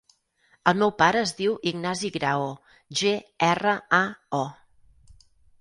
El meu pare es diu Ignasi Grao: ge, erra, a, o.